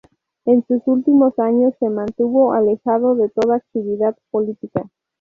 En sus últimos años se mantuvo alejado de toda actividad política.